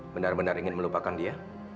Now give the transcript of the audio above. benar benar ingin melupakan dia